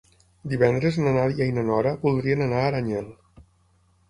Divendres na Nàdia i na Nora voldrien anar a Aranyel.